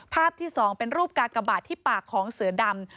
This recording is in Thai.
ที่๒เป็นรูปกากบาทที่ปากของเสือดำ